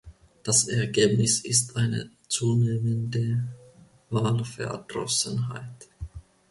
Das Ergebnis ist eine zunehmende Wahlverdrossenheit.